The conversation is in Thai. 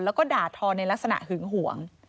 แล้วก็ด่าทอในลักษณะหึงหวง